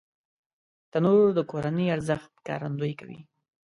تنور د کورنی ارزښت ښکارندويي کوي